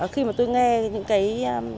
khi mà tôi nghe những cái